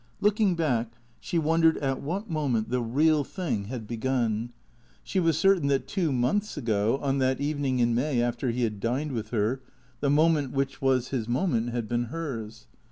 Looking back, she wondered at what moment the real thing 90 THECEEATORS had begun. She was certain that two months ago, on that evening in May after he had dined with her, the moment, which was his moment, had been hers.